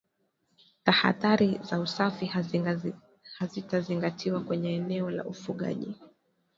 Tahadhari za usafi hazitazingatiwa kwenye eneo la ufugaji